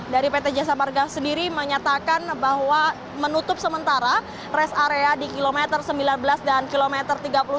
dari pt jasa marga sendiri menyatakan bahwa menutup sementara rest area di kilometer sembilan belas dan kilometer tiga puluh dua